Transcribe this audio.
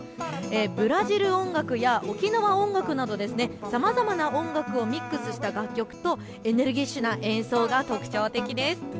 ブラジル音楽や沖縄音楽などさまざまな音楽をミックスした楽曲とエネルギッシュな演奏が特徴的です。